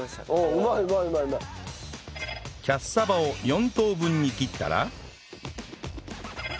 キャッサバを４等分に切ったら